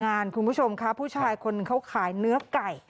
คุณผู้ชมค่ะผู้ชายคนเขาขายเนื้อไก่